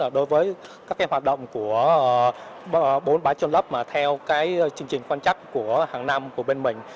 đối với các hoạt động của bốn bãi trôn lớp mà theo chương trình quan chắc của hàng năm của bên mình